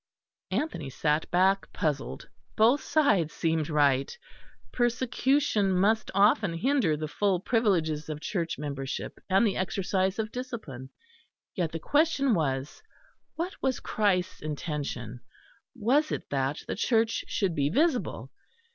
Anthony sat back, puzzled. Both sides seemed right. Persecution must often hinder the full privileges of Church membership and the exercise of discipline. Yet the question was, What was Christ's intention? Was it that the Church should be visible?